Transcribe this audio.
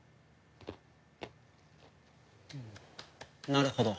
なるほど。